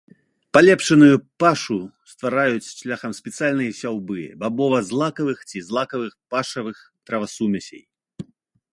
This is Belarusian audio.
Палепшаную пашу ствараюць шляхам спецыяльнай сяўбы бабова-злакавых ці злакавых пашавых травасумесей.